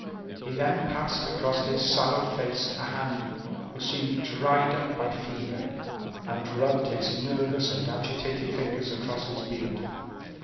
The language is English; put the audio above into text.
He then passed across his sallow face a hand which seemed dried up by fever, and rubbed his nervous and agitated fingers across his beard.